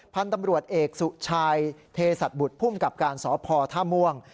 พันธุ์ตำรวจเอกสุชายเทศบุตรผู้มกับการศพธมวง